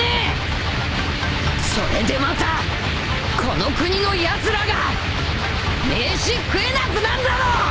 それでまたこの国のやつらが飯食えなくなんだろ！